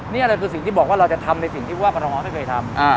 นี่แหละคือสิ่งที่บอกว่าเราจะทำในสิ่งที่ว่ากรทมไม่เคยทำ